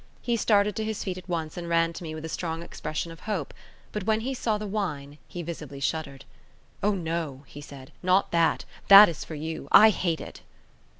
He started to his feet at once and ran to me with a strong expression of hope; but when he saw the wine, he visibly shuddered. "Oh, no," he said, "not that; that is for you. I hate it."